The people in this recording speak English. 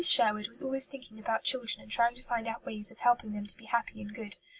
Sherwood was always thinking about children and trying to find out ways of helping them to be happy and good.